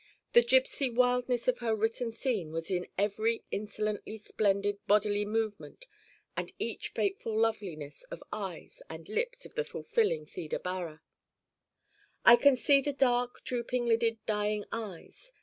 The gypsy wildness of the written scene was in every insolently splendid bodily movement and each fateful loveliness of eyes and lips of the fulfilling Theda Bara. I can still see the dark drooping lidded dying eyes.